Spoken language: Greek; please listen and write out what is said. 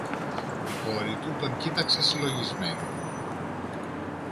Η κόρη τον κοίταξε συλλογισμένη.